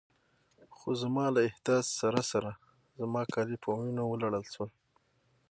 خو زما له احتیاط سره سره زما کالي په وینو ولړل شول.